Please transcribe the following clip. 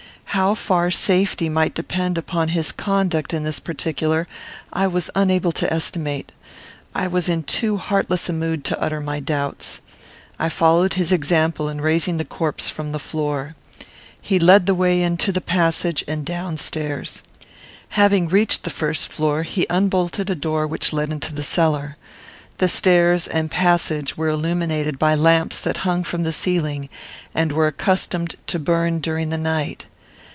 How far safety might depend upon his conduct in this particular, I was unable to estimate. I was in too heartless a mood to utter my doubts. I followed his example in raising the corpse from the floor. He led the way into the passage and down stairs. Having reached the first floor, he unbolted a door which led into the cellar. The stairs and passage were illuminated by lamps that hung from the ceiling and were accustomed to burn during the night.